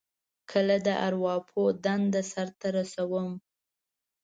کله د ارواپوه دنده سرته رسوم.